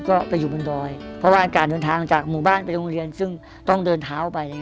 ก็ไปอยู่บนดอยเพราะว่าการเดินทางจากหมู่บ้านไปโรงเรียนซึ่งต้องเดินเท้าไป